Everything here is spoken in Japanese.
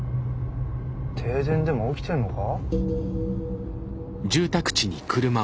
停電でも起きてんのか？